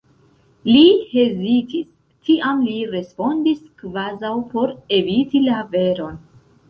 Li hezitis; tiam li respondis kvazaŭ por eviti la veron: